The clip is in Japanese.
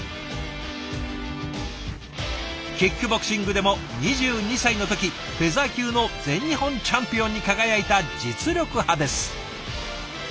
キックボクシングでも２２歳の時フェザー級の全日本チャンピオンに輝いた実力派です。